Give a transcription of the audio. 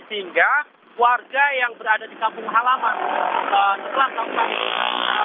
sehingga warga yang berada di kampung halaman setelah kawasan ini